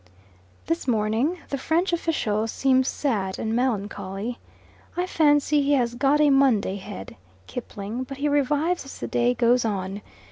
This morning the French official seems sad and melancholy. I fancy he has got a Monday head (Kipling), but he revives as the day goes on.